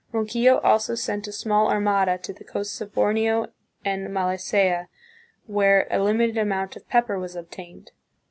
Ronquillo also sent a small armada to the coasts of Borneo and Malacca, where a limited amount of pepper was obtained.